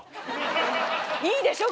いいでしょ？